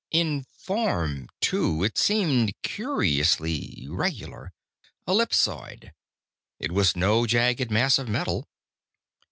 In form, too, it seemed curiously regular, ellipsoid. It was no jagged mass of metal.